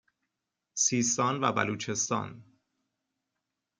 سیستان و بلوچستان